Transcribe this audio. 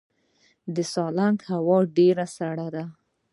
د سالنګ هوا ډیره سړه ده